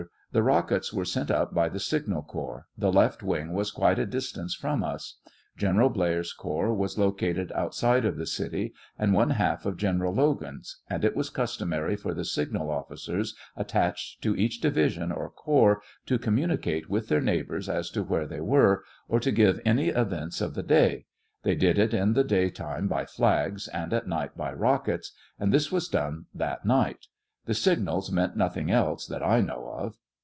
The rockets were sent up by the' signal corps; the left wing was quite a distance from us. General Blair's corps was located outside of the city, and one half of General Logan's, and it was customary for the signal officers attached to each division or corps to communicate with their neighbors as to where they were, or to giv e any events of the day; they did it in the day time by flags, and at night by rockets, and this was done that night; the signals meant nothing' else that I know of.